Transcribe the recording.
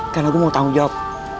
karena gue mau tanggung jawab